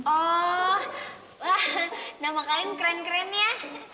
oh nama kalian keren keren ya